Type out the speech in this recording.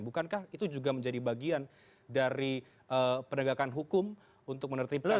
bukankah itu juga menjadi bagian dari penegakan hukum untuk menertibkan